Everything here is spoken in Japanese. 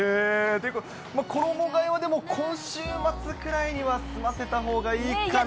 というか、衣がえは今週末くらいには済ませたほうがいいかな。